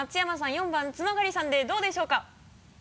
４番津曲さんでどうでしょうか？